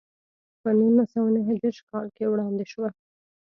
په نولس سوه نهه دېرش کال کې وړاندې شوه.